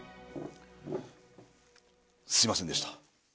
すいませんでした。